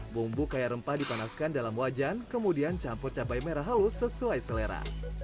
bumbu kaya rempah dipanaskan dalam wajan kemudian campur cabai merah halus sesuai selera